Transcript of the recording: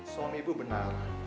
suami ibu benar